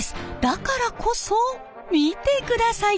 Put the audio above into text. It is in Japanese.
だからこそ見てください